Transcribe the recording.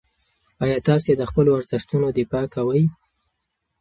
آیا تاسې د خپلو ارزښتونو دفاع کوئ؟